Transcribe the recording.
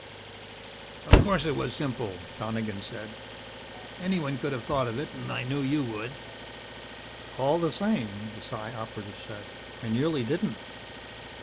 "Of course it was simple," Donegan said. "Anyone could have thought of it and I knew you would." "All the same," the Psi Operative said, "I nearly didn't."